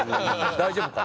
大丈夫かな？